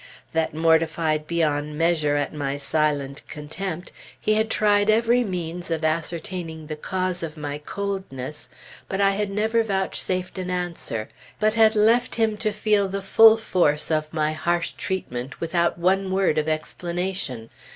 That, mortified beyond measure at my silent contempt, he had tried every means of ascertaining the cause of my coldness, but I had never vouchsafed an answer, but had left him to feel the full force of my harsh treatment without one word of explanation.